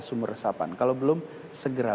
sumur resapan kalau belum segera